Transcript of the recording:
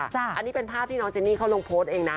อันนี้เป็นภาพที่น้องเจนนี่เขาลงโพสต์เองนะ